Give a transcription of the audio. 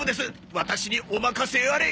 ワタシにお任せあれ！